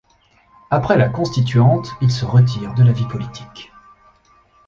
Après la Constituante, il se retire de la vie politique.